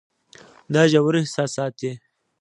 دا ژور احساسات دي.